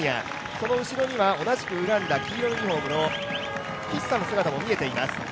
その後ろにはウガンダ黄色いユニフォームのキッサの姿も見えています。